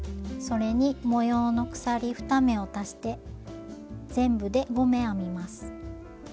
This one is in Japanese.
それに模様の鎖２目を足して全部で５目編みます。